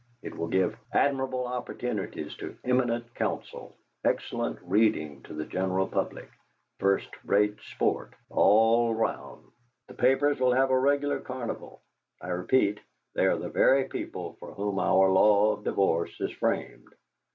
It will give admirable opportunities to eminent counsel, excellent reading to the general public, first rate sport all round. "The papers will have a regular carnival. I repeat, they are the very people for whom our law of divorce is framed.